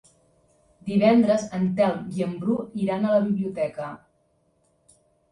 Divendres en Telm i en Bru iran a la biblioteca.